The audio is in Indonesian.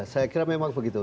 saya kira memang begitu